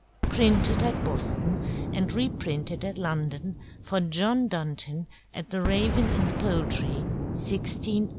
Printed at Boston, and Re printed at London, for \John Dunton\, at the Raven in the Poultrey.